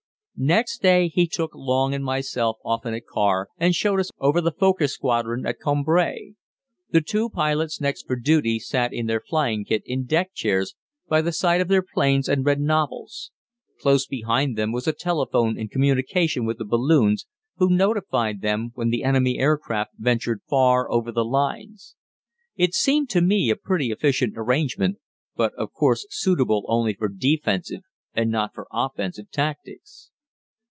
Next day he took Long and myself off in a car and showed us over the Fokker squadron at Cambrai. The two pilots next for duty sat in their flying kit, in deck chairs, by the side of their planes and read novels; close behind them was a telephone in communication with the balloons, who notified them when the enemy aircraft ventured far over the lines. It seemed to me a pretty efficient arrangement, but of course suitable only for defensive and not for offensive tactics.